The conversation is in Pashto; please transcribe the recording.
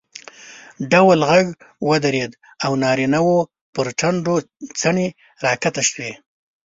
ډول غږ ودرېد او نارینه وو پر ټنډو څڼې راکښته شوې.